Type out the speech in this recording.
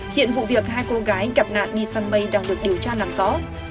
hiện vụ việc hai cô gái gặp nạn đi săn mây đang được điều tra làm rõ